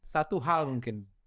satu hal mungkin